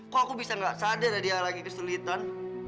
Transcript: kok aku bisa gak sadar ada yang lagi kesulitan